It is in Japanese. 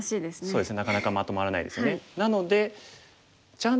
そうですね。